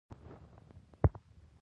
زه غواړم پښتو نړيواله کړم